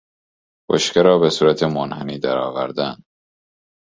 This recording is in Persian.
بشکه را به صورت منحنی درآوردن